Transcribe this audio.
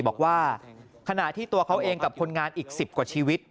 บอกว่าขณะที่ตัวเขาเองกับคนงานอีก๑๐กว่าชีวิต